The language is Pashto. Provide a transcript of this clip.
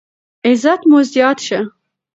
عزت مو زیات شه.